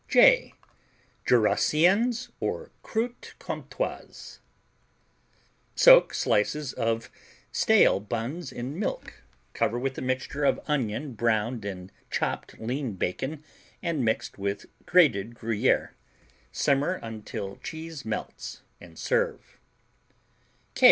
J Jurassiennes, or Croûtes Comtoises Soak slices of stale buns in milk, cover with a mixture of onion browned in chopped lean bacon and mixed with grated Gruyère. Simmer until cheese melts, and serve.